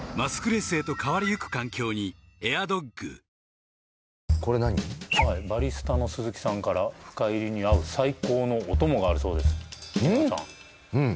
なかなか意外なお供がバリスタの鈴木さんから深煎りに合う最高のお供があるそうですうん？